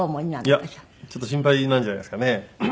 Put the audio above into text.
いやちょっと心配なんじゃないですかね。